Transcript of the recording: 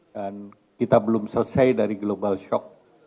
dan kita belum selesai dari global shock